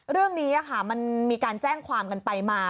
เรื่องนี้มันมีการแจ้งความกันไปมา